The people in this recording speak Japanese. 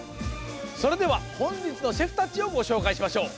それでは本日のシェフたちをごしょうかいしましょう。